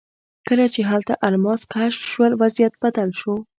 کله چې هلته الماس کشف شول وضعیت بدل شو.